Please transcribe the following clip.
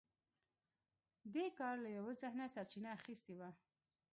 دې کار له یوه ذهنه سرچینه اخیستې وه